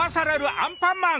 アンパンマン！